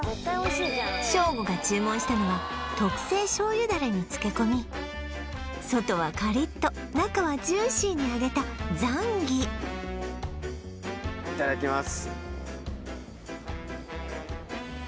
ショーゴが注文したのは特製醤油ダレにつけ込み外はカリッと中はジューシーに揚げたザンギいただきます